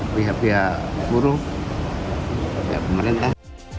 pihak pihak buru ya pemerintah